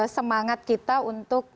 semangat kita untuk